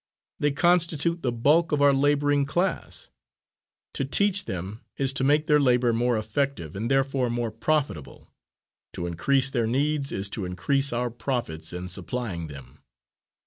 They constitute the bulk of our labouring class. To teach them is to make their labour more effective and therefore more profitable; to increase their needs is to increase our profits in supplying them.